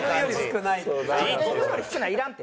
「僕より少ない」いらんて。